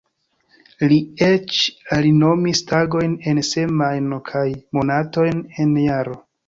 Li eĉ alinomis tagojn en semajno kaj monatojn en jaro.